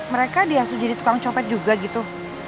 mereka di asuh jadi tukang copet juga gitu